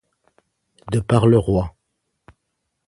De par le roy.